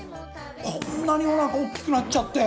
こんなにおなかおっきくなっちゃって！